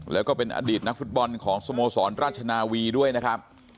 แล้วก็เป็นอดีตนักฟุตบอลของสโมสรราชนาวีด้วยนะครับ